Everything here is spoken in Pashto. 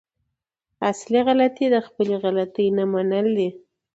اصلي غلطي د خپلې غلطي نه منل دي.